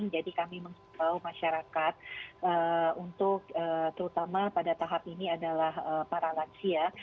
jadi kami mengimbau masyarakat untuk terutama pada tahap ini adalah para lansia